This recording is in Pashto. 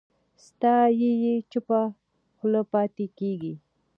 ستایي یې چوپه خوله پاتې کېږي